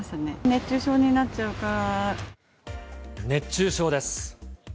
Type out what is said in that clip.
熱中症です。